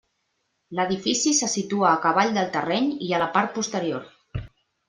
L'edifici se situa a cavall del terreny i a la part posterior.